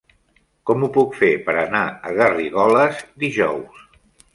Com ho puc fer per anar a Garrigoles dijous?